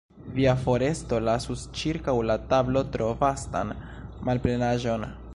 Via foresto lasus ĉirkaŭ la tablo tro vastan malplenaĵon.